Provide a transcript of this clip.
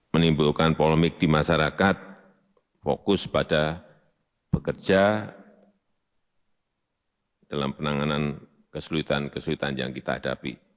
menimbulkan polemik di masyarakat fokus pada bekerja dalam penanganan kesulitan kesulitan yang kita hadapi